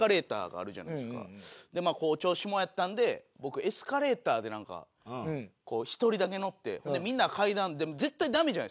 まあお調子者やったんで僕エスカレーターでなんか１人だけ乗ってみんなは階段絶対ダメじゃないですか。